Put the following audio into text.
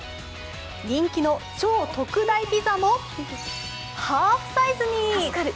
人気の超特大ピザもハーフサイズに。